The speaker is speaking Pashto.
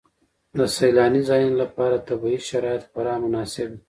د سیلاني ځایونو لپاره طبیعي شرایط خورا مناسب دي.